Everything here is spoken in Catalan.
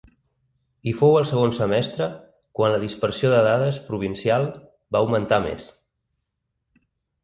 I fou al segon semestre quan la dispersió de dades provincial va augmentar més.